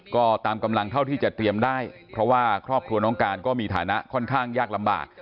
ก็ตามกำลังเท่าที่จะเตรียมได้เพราะว่าครอบครัวน้องการก็มีฐานะค่อนข้างยากลำบาก